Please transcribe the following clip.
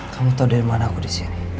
kamu tau dari mana aku disini